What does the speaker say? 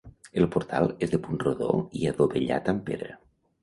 El portal és de punt rodó i adovellat amb pedra.